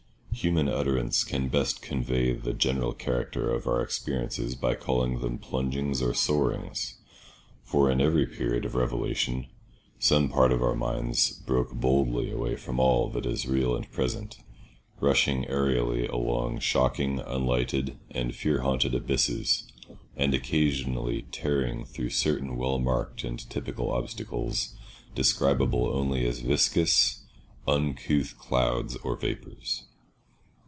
Human utterance can best convey the general character of our experiences by calling them plungings or soarings; for in every period of revelation some part of our minds broke boldly away from all that is real and present, rushing aërially along shocking, unlighted, and fear haunted abysses, and occasionally tearing through certain well marked and typical obstacles describable only as viscous, uncouth clouds or vapours.